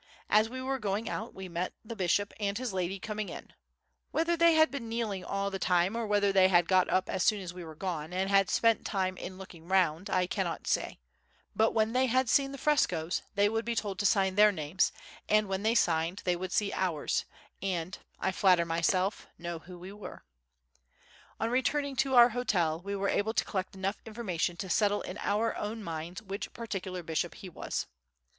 As we were going out we met the bishop and his lady coming in; whether they had been kneeling all the time, or whether they had got up as soon we were gone and had spent the time in looking round I cannot say, but, when they had seen the frescoes, they would be told to sign their names and, when they signed, they would see ours and, I flatter myself, know who we were. On returning to our hotel we were able to collect enough information to settle in our own minds which particular bishop he was.